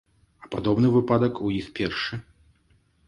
А падобны выпадак у іх першы.